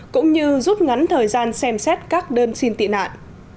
cũng như rút ngắn thời gian xem xét các đơn xin tị nạn